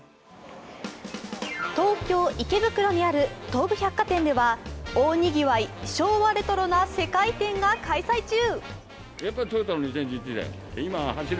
東京・池袋にある東武百貨店では大にぎわい、昭和レトロな世界展が開催中。